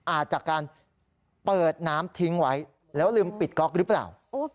อาจจะการเปิดน้ำทิ้งไว้แล้วลืมปิดก๊อกหรือเปล่า